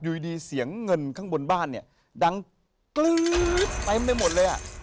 อยู่ดีเสียงเงินข้างบนบ้านเนี่ยดังกลื๊ดเต็มไปหมดเลยอ่ะ